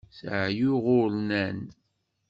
Seεεuɣ urnan.